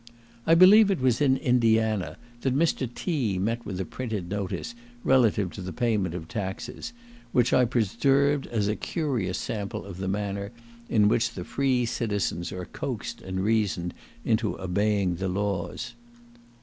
I believe it was in Indiana that Mr. T. met with a printed notice relative to the payment of taxes, which I preserved as a curious sample of the manner in which the free citizens are coaxed and reasoned into obeying the laws.